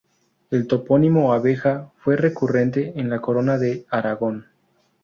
El topónimo "Abeja" fue recurrente en la Corona de Aragón.